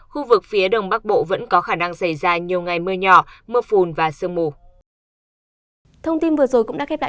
khu vực phía đông bắc bộ vẫn có khả năng xảy ra nhiều ngày mưa nhỏ mưa phùn và sương mù